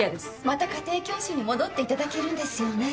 また家庭教師に戻っていただけるんですよね？